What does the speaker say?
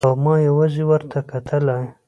او ما يوازې ورته کتلای.